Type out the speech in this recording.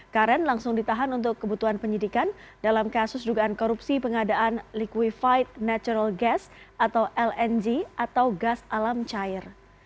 karen langsung ditahan untuk kebutuhan penyidikan dalam kasus dugaan korupsi pengadaan liquified natural gas atau lng atau gas alam cair